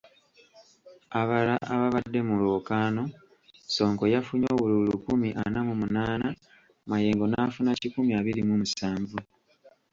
Abalala ababadde mu lwokaano, Ssonko yafunye obululu lukumi ana mu munaana, Mayengo n'afuna kikumi abiri mu musanvu.